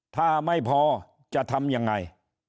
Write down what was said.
ถ้าไม่พอจะทำยังไง